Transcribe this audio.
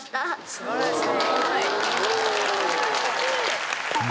素晴らしい。